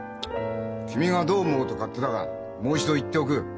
君がどう思おうと勝手だがもう一度言っておく。